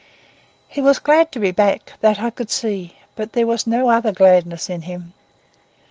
He was glad to be back; that I could see, but there was no other gladness in him.